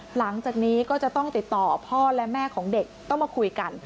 หลังจากนี้ก็จะต้องติดต่อพ่อและแม่ของเด็กต้องมาคุยกัน